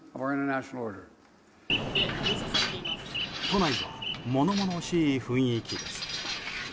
都内は物々しい雰囲気です。